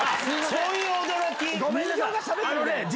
そういう驚き？